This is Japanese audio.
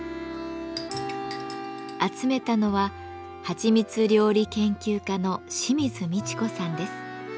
集めたのははちみつ料理研究家の清水美智子さんです。